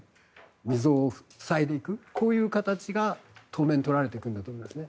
溝を塞いでいく、こういう形が当面取られていくと思います。